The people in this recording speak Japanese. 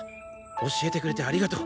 教えてくれてありがとう。